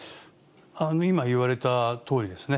今、言われたとおりですね。